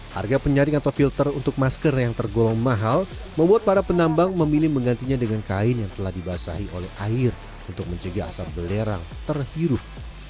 harga penyaring atau filter untuk masker yang tergolong mahal membuat para penambang memilih menggantinya dengan kain yang telah dibasahi oleh air untuk menjaga asap belerang terhirup